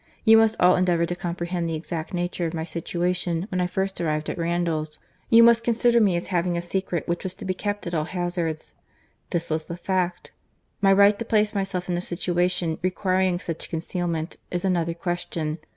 —You must all endeavour to comprehend the exact nature of my situation when I first arrived at Randalls; you must consider me as having a secret which was to be kept at all hazards. This was the fact. My right to place myself in a situation requiring such concealment, is another question.